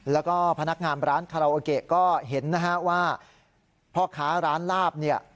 แล้วก็พนักงานร้านคาลาโอเกะก็เห็นว่าพ่อค้าร้านลาบ